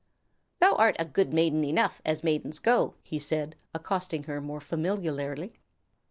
"Thou art a good maiden enough, as maidens go," he said, accosting her more familiarly.